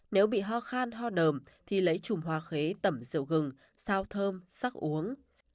nếu bị ho khan ho đờm thì lấy chùm hoa khế tẩm rượu gừng sao thơm sắc uống